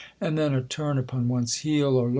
And then, a turn upon one's heel, or lod?